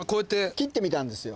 切ってみたんですよ。